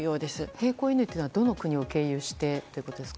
並行輸入はどの国を経由してということですか。